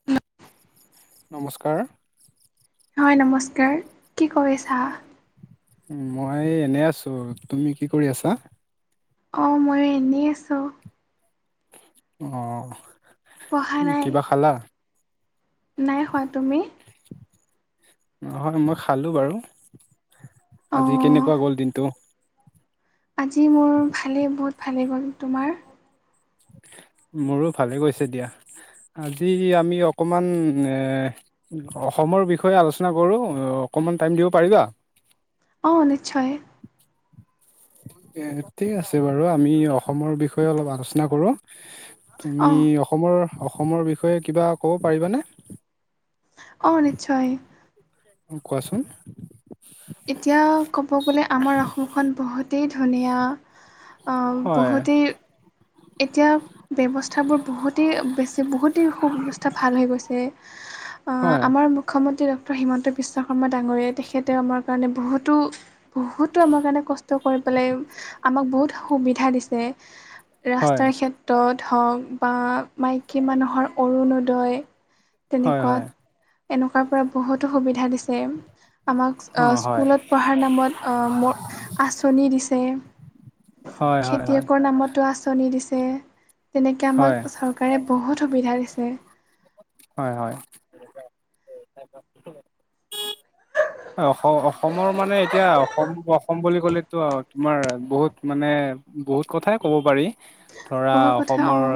[unintelligible] নমস্কাৰ। হয় নমস্কাৰ, কি কৰিছা? মই এনে আছোঁ‌, তুমি কি কৰি আছা? অ', মইও এনেই আছোঁ। অ', পঢ়া নাই কিবা খালা? নাই খুৱা, তুমি? নহয় মই খালোঁ‌ বাৰু, আজি অঁ কেনেকুৱা গ'ল দিনটো? আজি মোৰ ভালেই বহুত ভালেই গ'ল, তোমাৰ? মোৰো ভালে গৈছে দিয়া। আজি আমি অকণমান এ অসমৰ বিষয়ে আলোচনা কৰো, অকমান টাইম দিব পাৰিবা? অ', নিশ্চয়। ঠিক আছে বাৰু আমি অসমৰ বিষয়ে অলপ আলোচনা কৰোঁ‌। তুমি অঁ অসমৰ, অসমৰ বিষয়ে কিবা ক'ব পাৰিবানে? অ', নিশ্চয়। অ', কোৱাচোন। এতিয়া ক'ব গ'লে আমাৰ অসমখন বহুতেই ধুনীয়া। অ', হয় বহুতেই এতিয়া ব্যৱস্থাবোৰ বহুতেই বেছি বহুতেই সু-ব্যৱস্থা ভাল হৈ গৈছে। হয় আমাৰ মুখ্যমন্ত্ৰী ডক্টৰ হিমন্ত বিশ্ব শৰ্মা ডাঙৰীয়াই তেখেতে আমাৰ কাৰণে বহুতো বহুতো আমাৰ কাৰণে কষ্ট কৰি পেলাই আমাক বহুত সুবিধা দিছে। হয় ৰাস্তাৰ ক্ষেত্ৰত হওক বা মাইকী মানুহৰ অৰুণোদয় হয় হয় তেনেকুৱাত, এনেকুৱাৰ পৰা বহুতো সুবিধা দিছে। আমাক হয় হয় স্কুলত পঢ়াৰ নামত অ' মোৰ আঁচনি দিছে। হয় হয় হয় খেতিয়কৰ নামতো আঁচনি দিছে। তেনেকে আমাক হয় চৰকাৰে বহুত সুবিধা দিছে। হয়, হয়। [inaudible] অসম-অসমৰ মানে এতিয়া অসম অসম বুলি ক'লেতো তোমাৰ বহুত মানে বহুত কথাই ক'ব পাৰি। ধৰা বহুত কথা অসমৰ অঁ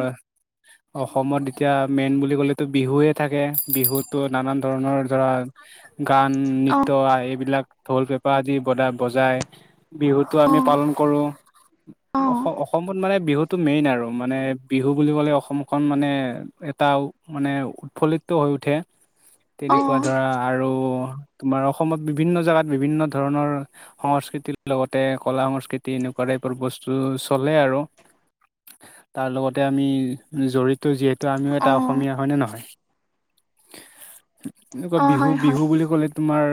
অসমত এতিয়া মেইন বুলি ক'লেতো বিহুৱে থাকে। বিহুতো নানান ধৰণৰ ধৰা অঁ গান-নৃত্য এইবিলাক ঢোল-পেপা আদি বদা বজাই। বিহুটো আমি অঁ পালন কৰোঁ। অঁ অসম-অসমত মানে বিহুটো মেইন আৰু মানে বিহু বুলি ক'লে অসমখন মানে এটা মানে উৎফুল্লিত হৈ উঠে। তেনেকুৱা মানে ধৰা আৰু তোমাৰ অসমত বিভিন্ন জাগাত বিভিন্ন ধৰণৰ সংস্কৃতিৰ লগতে কলা-সংস্কৃতি এনেকুৱা টাইপৰ বস্তু চলে আৰু। তাৰ লগতে আমি জড়িত যিহেতু আমিও এটা অ', অসমীয়া। হয়নে নহয়? এনেকুৱা অ', বিহু হয়, হয়, বিহু বুলি ক'লে তোমাৰ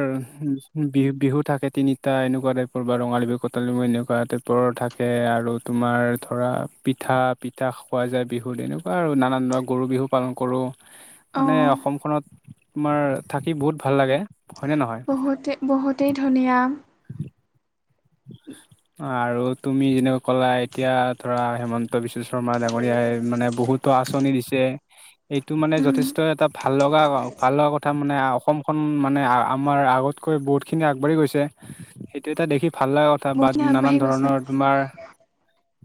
বি-বিহু থাকে তিনিটা এনেকুৱা টাইপৰ বা ৰঙালী বিহু কটালী বিহু এনেকুৱা টাইপ। ৰ থাকে আৰু তোমাৰ ধৰা পিঠা পিঠা খোৱা যায় বিহুত এনেক আৰু নানান [unintelligible] গৰু বিহু পালন কৰোঁ। মানে অ', অসমখনত তোমাৰ, থাকি বহুত ভাল লাগে। হয়নে নহয় বহুতে-বহুতেই ধুনীয়া। আৰু তুমি যেনেকৈ ক'লা এতিয়া ধৰা হেমন ন্ত বিশ্ব শৰ্মা ডাঙৰীয়াই মানে বহুতো আঁচনি দিছে। এইটো মানে উম, যথেষ্ট এটা ভাল লগা ভাল লগা কথা মানে। অসমখন মানে আমাৰ আগত কৈ বহুতখিনি আগবাঢ়ি গৈছে। সেইটো এটা দেখি ভাল লগা থা বাট বহুতখিনি নানান আগবাঢ়ি গৈছে ধৰণৰ তোমাৰ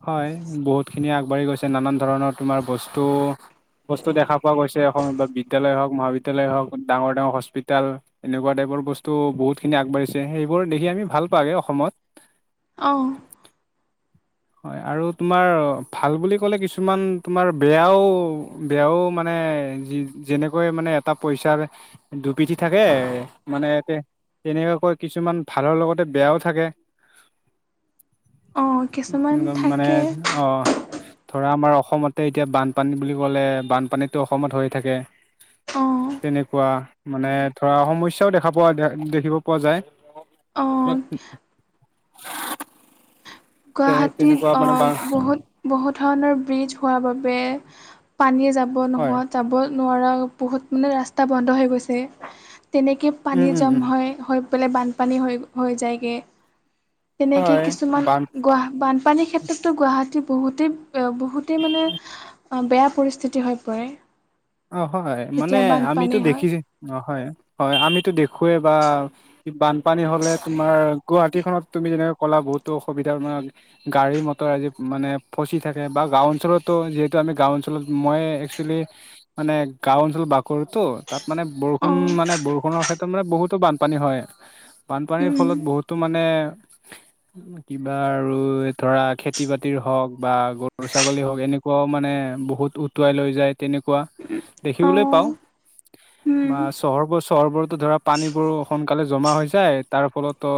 হয়, বহুতখিনি আগবাঢ়ি গৈছে। নানান ধৰণৰ তোমাৰ বস্তু বস্তু দেখা পোৱা গৈছে, [unintelligible] বিদ্যালয় হওক, মহাবিদ্যালয় হওক, ডাঙৰ ডাঙৰ হস্পিতেল। এনেকুৱা টাইপৰ বস্তু বহুতখিনি আগবাঢ়িছে, সেইবোৰ দেখি আমি ভাল পাওঁগে অসমত। অঁ। হয় আৰু তোমাৰ ভাল বুলি ক'লে কিছুমান তোমাৰ বেয়াও বেয়াও মানে, যেনেকৈ মানে এটা পইচাৰ দুপিঠি থাকে, মানে তেনেকুৱাকৈ কিছুমান ভালৰ লগতে বেয়াও থাকে। অ', কিছুমান একদম মানে থাকে অ'! ধৰা আমাৰ অসমতে এতিয়া বানপানী বুলি ক'লে বানপানীতো অসমত হৈয়ে থাকে। অ', তেনেকুৱা মানে ধৰা সমস্যাও দেখা পোৱা দে-দেখিব পোৱা যায়। [inaudible] অ', এ গুৱাহাটীত তেনেকুৱা মানে অ' বা বহুত বহু ধৰণৰ ব্ৰিজ হোৱাৰ বাবে পানীয়ে যাব হয় নোহোৱাত যাব নোৱাৰা বহুত মানে ৰাস্তা বন্ধ হৈ গৈছে। তেনেকে উম পানী উম জমা উম হয়, হৈ পেলাই বানপানী হৈ হৈ যায়গে। তেনেকেই হয় কিছুমান বান গুৱা-বানপানীৰ ক্ষেত্ৰততো গুৱাহাটী বহুতেই বহুতেই মানে অ' বেয়া পৰিস্থিতি হৈ পৰে। অ' হয় মানে যেতিয়া আমিতো বানপানী হয় দেখিছো অ, হয় হয়, আমিতো দেখোৱেই বা পানী হ'লে তোমাৰ গুৱাহাটীখননত তুমি যেনেকে কলা বহুতো অসুৱিধা মানে গাড়ী মটৰ আজি মানে ফচি থাকে বা গাওঁ অঞ্চলতো যিহেতু আমি গাও অঞ্চলত মই তুমি মানে গাঁও অঞ্চল বাকৰিতো তাত মানে বৰষুণ মানে অঁ বৰষুণৰ ক্ষেত্ৰত মানে বহুতো বান বানপানী হয়। বানপানীৰ উম ফলত বহুতো মানে কিবা আৰু ধৰা খেতি বাতিৰ হওঁক বা গৰু ছাগলী হওঁক এনেকুৱাও মানে বহুত উটুৱাই লৈ যায় তেনেকুৱা দেখিবলৈ পাওঁ। অঁ উম বা চহৰবোৰ চহৰবোৰতো ধৰা পানীবোৰ সোনকালে জমা হৈ যায় তাৰ ফলতো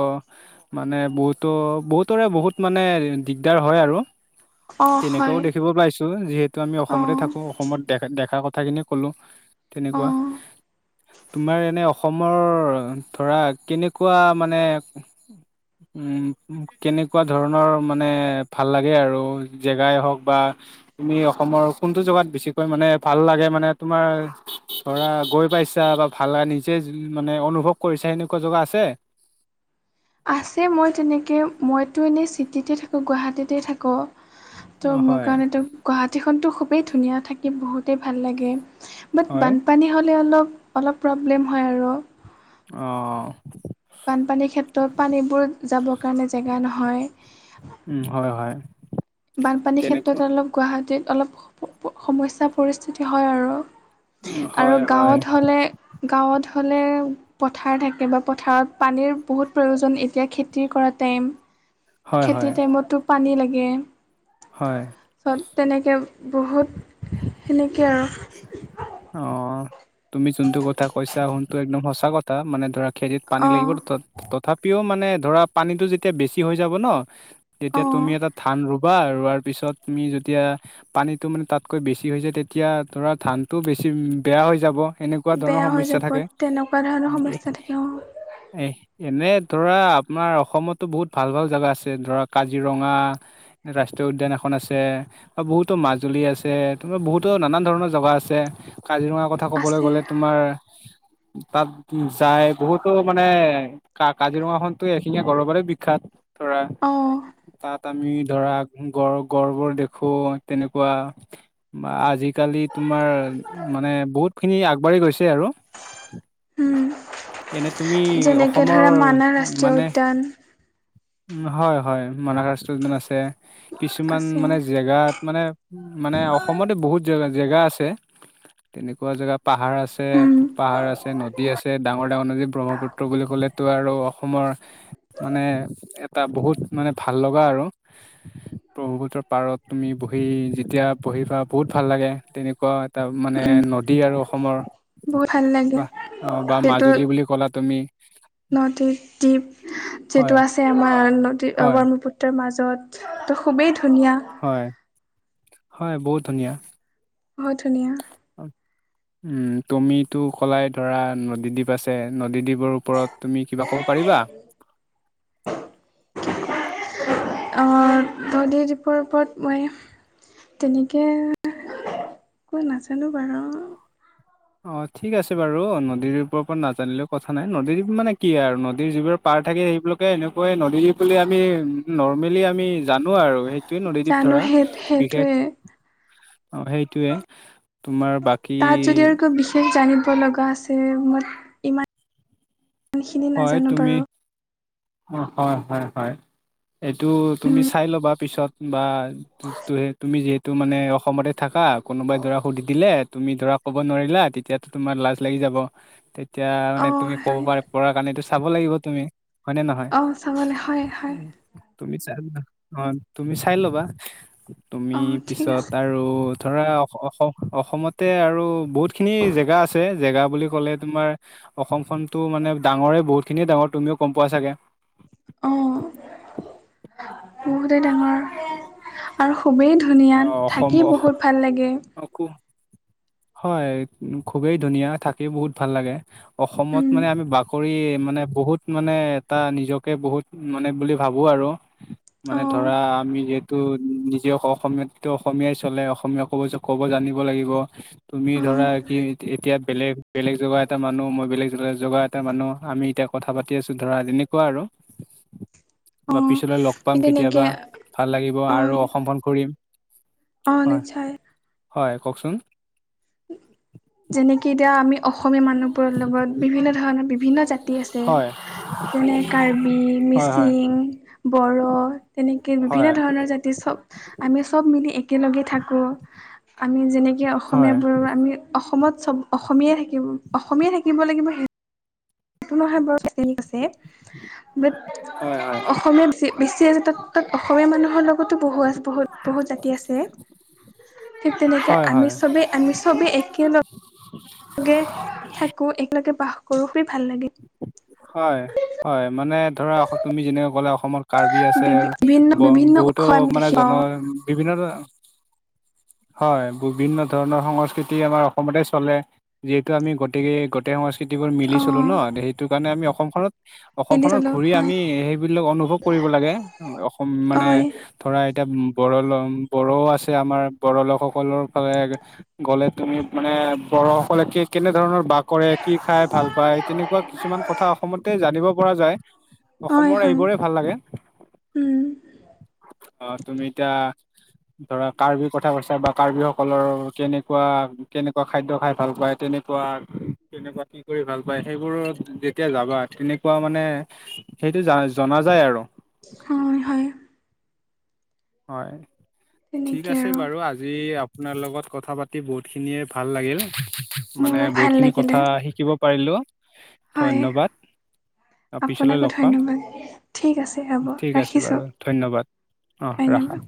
মানে বহুতো বহুতৰে বহুত মানে দিগদাৰ হয় আৰু। অঁ তেনেকোৱাও হয় দেখিবলৈ পাইছোঁ, যিহেতু আমি অসমতে অঁ থাকো অসমত দে- দেখা কথা খিনি ক'লোঁ তেনেকুৱা। অঁ তোমাৰ এনে অসমৰ ধৰা কেনেকুৱা মানে কেনেকুৱা ধৰণৰ মানে ভাল লাগে আৰু জেগাই হওক বা তুমি অসমৰ কোনটো জেগাত বেছিকৈ মানে ভাল লাগে। মানে তোমাৰ ধৰা গৈ পাইছা বা ভাল নিজে মানে অনুভৱ কৰিছা এনেকুৱা জেগা আছে? আছে মই তেনেকৈ মইতো এনেই চিটিতে থাকোঁ গুৱাহাটীতে থাকোঁ। ত' অ মোৰ হয় কাৰণেটো গুৱাহাটীখনটো খুবেই ধুনীয়া থাকি বহুতেই ভাল লাগে। বাট হয় বানপানী হ'লে অলপ অলপ প্ৰব্লেম হয় আৰু। অ। বানপানীৰ ক্ষেত্ৰত পানীবোৰ যাবৰ কাৰণে জেগা নহয়। উম, হয় হয়। বানপানীৰ তেনেকুৱা ক্ষেত্ৰত অলপ গুৱাহাটীত অলপ সমস্যা পৰিস্থিতি হয় আৰু। উম আৰু হয় হয় গাঁৱত হ'লে গাঁৱত হ'লে পথাৰ থাকে বা পথাৰত পানীৰ বহুত প্ৰয়োজন এতিয়া খেতি কৰা টাইম। হয় খেতিৰ হয় টাইমতো পানী লাগে। হয়। চব তেনেকৈ বহুত সেনেকৈ আৰু। অ, তুমি যোনটো কথা কৈছা শুনটো একদম সঁচা কথা। মানে ধৰা খেতিত পানী লাগিব অ' তথাপিও মানে ধৰা পানীটো যেতিয়া বেছি হৈ যাব ন তেতিয়া তুমি অ' এটা ধান ৰ ৰুবা ৰোৱাৰ পিছত তুমি যেতিয়া পানীটো মানে তাতকৈ বেছি হৈ যায় তেতিয়া ধৰা ধান তো বেছি বেয়া হৈ যাব। এনেকুৱা ধৰণৰ বেয়া হৈ সমস্যা যাব থাকে। তেনেকুৱা ধৰণৰ সমস্যা থাকে অ' এই এনেই ধৰা আমাৰ অসমতো বহুত ভাল ভাল জেগা আছে ধৰা কাজিৰঙা, ৰাষ্ট্ৰীয় উদ্যান এখন আছে, বা বহুতো মাজুলী আছে, বহুতো নানান ধৰণৰ জেগা আছে। কাজিৰঙা কথা ক'বলৈ আছে গ'লে তোমাৰ তাত যাই বহুতো মানে- কা কাজিৰঙাখনতো এখিঙীয়া গড়ৰ কাৰণে বিখ্যাত ধৰা অ' তাত- ত আমি ধৰা গড় গড়বোৰ দেখো তেনেকুৱা- বা আজিকালি তোমাৰ- মানে বহুত খিনি আগবাঢ়ি গৈছে আৰু, উম। এনে তুমি যেনেকে অসমৰ ধৰা মানাহ ৰাষ্ট্ৰীয় মানে- উদ্যান হয় হয় মানাহ ৰাষ্ট্ৰীয় উদ্যান আছে, কিছুমান আছে মানে জেগাত মানে মানে অসমতে বহুত জে জেগা আছে, তেনেকুৱা জেগা পাহাৰ আছে, উম পাহাৰ আছে, নদী আছে, ডাঙৰ ডাঙৰ নদী ব্ৰহ্মপুত্ৰ বুলি ক'লেতো আৰু অসমৰ- মানে এটা বহুত মানে ভাল লগা আৰু। ব্ৰহ্মপুত্ৰৰ পাৰত তুমি বহি যেতিয়া পঢ়িবা বহুত ভাল লাগে, তেনেকুৱা- এটা মানে উম নদী আৰু অসমৰ, বহুত ভাল লাগে বাহ বা মাজুলী - বুলি ক'লা তুমি- নদী দ্বীপ যিটো হয় আছে আমাৰ নদী হয় ব্ৰহ্মপুত্ৰ- তাৰ মাজত তো খুবেই ধুনীয়া, হয়, হয় বহুত ধুনীয়া। বহুত ধুনীয়া, উম তুমিটো ক'লাই ধৰা নদীদ্বীপ আছে নদীদ্বীপৰ- ওপৰত তুমি কিবা ক'ব পাৰিবা? নদীৰ দ্বীপৰ ওপৰত মই, তেনেকে মই নাজানো বাৰু, অ ঠিক আছে বাৰু নদীৰ দ্বীপৰ ওৰত নাজানিলেও কথা নাই, নদী দ্বীপ মানে কি আৰু নদীৰ যি বোৰ- পাৰ থাকে সেইবিলাকে এনেকুৱাই নদী বুলি আমি নৰ্মেলি আমি জানো আৰু, সেই- এইটোৱে নদীদ্বীপ জানো ধৰা, সেই বিশেষ সেইটোৱে সেইটোৱে তোমাৰ বাক- তাত যদি আৰু কিবা বিশেষ জানিব লগা আছে মই ইমান- খিনি হয় নাজানো তুমি, বাৰু হয় হয় হয়। এইটো তুমি উম চাই ল'বা পিছত বা- তুমি যিহেতু মানে অসমতে থাকা, কোনোবাই ধৰা সুধি দিলে তুমি ধৰা- ক'ব নোৱাৰিলা তেতিয়াতো তোমাৰ লাজ লাগি যাব। তেতিয়া অ মানে তুমি ক'ব হয় পাৰ পৰা কাৰণে এইটো চাব লাগিব তুমি। হয়নে নহয়? অ চাবলৈ হয় হয় তুমি চাই অ তুমি চাই ল'বা, তুমি অ ঠিক পিছত আছে আৰু- আৰু ধৰা অসম অসমতে আৰু বহুতখিনি জেগা আছে, জেগা বুলি ক'লে তোমাৰ- অসমখনতো মানে ডাঙৰে বহুত খিনিয়ে ডাঙৰ তুমিও গম পোৱা চাগে। অঁ বহুতেই ডাঙৰ। আৰু খুবেই ধুনীয়া থাকি বহুত ভাল লাগে। খু হয় খুবেই ধুনীয়া থাকি বহুত ভাল লাগে। অসমত উম মানে আমি বাকৰি মানে বহুত মানে এটা নিজকে বহুত- মানে বুলি ভাবো আৰু, মানে অ ধৰা আমি যিহেতু নিজেও হক অসমীয়াতটো অসমীয়াই চলে অসমীয়া ক'ব ক'ব জানিব লাগিব। তুমি অ ধৰা কি এতিয়া বেলেগ বেলেগ জেগা এটা মানুহ, মই বেলেগ জগা এটা মানুহ, আমি এতিয়া- কথা পাতি আছো ধৰা তেনেকুৱা আৰু, অ বা পিছলৈ লগ পাম সেই তেনেকে কেতিয়াবা ভাল লাগিব অ আৰু অসমখন ফুৰিম, অ নিশ্চয়, হয় কওকচোন, যেনেকে এতিয়া আমি অসমীয়া মানুহ। [unintelligible] লগত বিভিন্ন ধৰণৰ বিভিন্ন জাতি আছে। হয় যেনে কাৰ্বি হয় হয় মিচিং বড় তেনেকে বিভিন্ন হয় ধৰণৰ জাতি চব আমি চব মিলি একেলগে থাকো আমি যেনেকে হয় অসমীয়া আৰু আমি অসমত চব অসমীয়াই থাকিব অসমীয়াই থাকিব লাগিব সেইটো [unintelligible] আছে বাত হয় হয় অসমীয়াত চি বেছি আছে, তাত তাত অসমীয়া মানুহৰ লগতো বহু আছ বহুত-বহুত জাতি আছ এ‌ ঠিক তেনেকে হয় আমি হয় চবেই, আমি চবে একেলগ গে থাকোঁ, একেলগে বাস কৰোঁ, খুবেই ভাল লাগে। হয়, হয়, মানে ধৰা অস তুমি যেনেকে ক'লা অসমত কাৰ্বি আছ যে, বিভিন্ন ব বিভিন্ন বহুতো উৎস আমি মানে দেখি জন পাওঁ বিভিন্ন ধৰ হয়, বিভিন্ন ধৰণৰ সংস্কৃতি আমাৰ অসমতে চলে। যিহেতু আমি গতিকে গোটেই সংস্কৃতিবোৰ মিলি অ চলো ন' সেইটো কাৰণে আমি অসমখনত মিলি অসমখনত চলো ঘূৰি হয়। আমি সেইবিলাক অনুভৱ কৰিব লাগে অসম মানে হয় ধৰা এতিয়া বৰ‌‌ ল বড়ো আছে আমাৰ বড়ো লোকসকলৰ ফালে গ'লে তুমি মানে বড়োসকলে কি কেনে ধৰণৰ বাস কৰে, কি খাই ভাল পায়, তেনে কোৱা কিছুমান কথা অসমতে জানিব পৰা যায় হয় অসমৰ হয় এইবোৰে ভাল লাগে। উম অ', তুমি এতিয়া ধৰা কাৰ্বি কথা কৈছা, বা কাৰ্বি সকলৰ কেনেকুৱা, কেনেকুৱা খাদ্য খায় ভাল পায় তেনে কোৱা কেনেকুৱা কি কৰি ভাল পায়। সেইবোৰত যেতিয়া যাবা, তেনেকুৱা মানে সেইটো জা জনা যায় আৰু। হয়, হয়। হয়, ঠিক তেনেকে আছে আৰু বাৰু আজি আ আপোনাৰ লগত কথা পাতি বহুতখিনিয়ে ভাল লাগিল, মানে মোৰো ভাল বহুতখিনি লাগিলে কথা শিকিব পাৰিলোঁ, হয় ধন্যবাদ। অ', পিছলৈ আপোনাকো লগ পাম ধন্যবাদ ঠিক আছে হ'ব ঠিক আছে ৰাখিছোঁ বাৰু ধন্যবাদ। অ', ৰাখা। ধন্যবাদ